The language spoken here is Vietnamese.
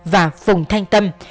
và phùng thanh tâm